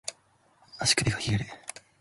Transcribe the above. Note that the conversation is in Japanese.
足首が冷える